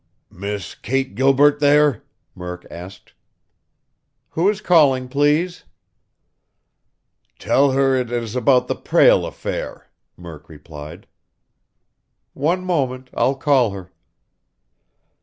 "Miss Kate Gilbert there?" Murk asked. "Who is calling, please?" "Tell her it is about that Prale affair," Murk replied. "One moment. I'll call her."